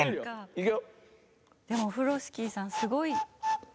いくよ。